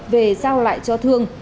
về giao lại cho thương